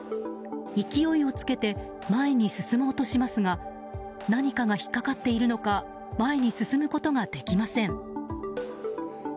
勢いをつけて前に進もうとしますが何かが引っ掛かっているのか前に進むことができません。